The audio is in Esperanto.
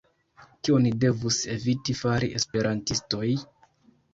Kion devus eviti fari esperantistoj?